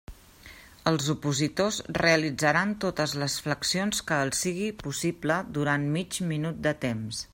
Els opositors realitzaran totes les flexions que els sigui possible durant mig minut de temps.